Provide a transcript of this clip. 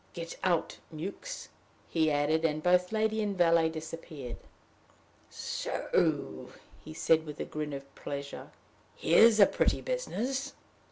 "Get out, Mewks," he added; and both lady and valet disappeared. "So!" he said, with a grin of pleasure. "Here's a pretty business!